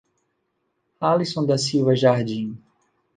Alisson da Silva Jardim